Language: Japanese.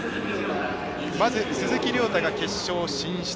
まず、鈴木涼太が決勝進出。